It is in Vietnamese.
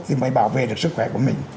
thì mới bảo vệ được sức khỏe của mình